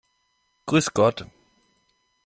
Grüß Gott!